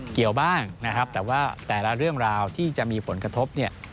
เกี่ยวบ้างนะครับแต่ว่าแต่ละเรื่องราวที่จะมีผลกระทบเนี่ย